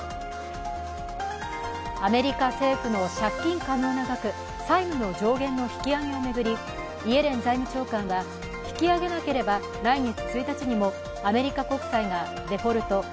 アメリカ政府の借金可能な額債務の上限の引き上げを巡り、イエレン財務長官は、引き上げなければ来月１日にもアメリカ国債がデフォルト＝